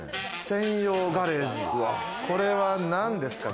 専用ガレージ、これはなんですか？